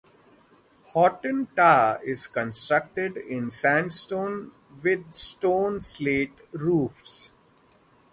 Hoghton Tower is constructed in sandstone, with stone slate roofs.